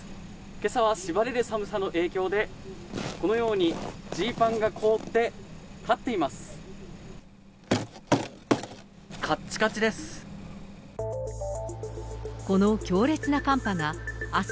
けさはしばれる寒さの影響で、このようにジーパンが凍って、立っています。